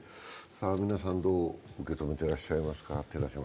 皆さんどう受け止めていらっしゃいますか？